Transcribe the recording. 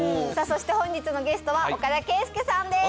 そして本日のゲストは岡田圭右さんです